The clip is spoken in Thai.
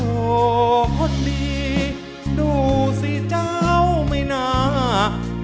โอ้คนดีดูสิเจ้าไม่น่าท้าม